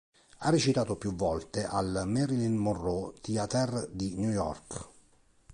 Ha recitato più volte al Marilyn Monroe Theatre di New York.